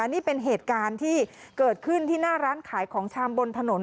นี่เป็นเหตุการณ์ที่เกิดขึ้นที่หน้าร้านขายของชามบนถนน